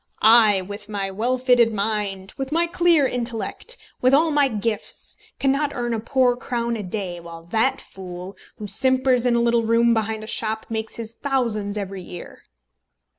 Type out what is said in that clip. "I, with my well filled mind, with my clear intellect, with all my gifts, cannot earn a poor crown a day, while that fool, who simpers in a little room behind a shop, makes his thousands every year."